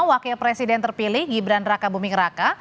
wakil presiden terpilih gibran raka buming raka